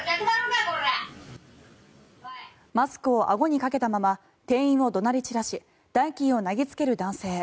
マスクをあごにかけたまま店員を怒鳴り散らし代金を投げつける男性。